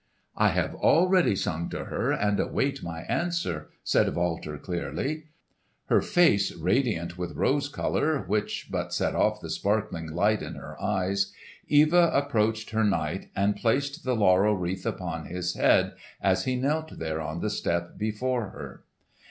"I have already sung to her, and await my answer," said Walter clearly. Her face radiant with rose colour, which but set off the sparkling light in her eyes, Eva approached her knight and placed the laurel wreath upon his head, as he knelt there on the step before her.